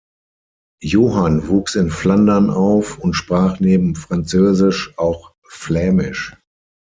Johann wuchs in Flandern auf und sprach neben Französisch auch Flämisch.